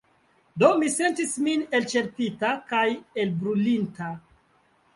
Do mi sentis min elĉerpita kaj elbrulinta.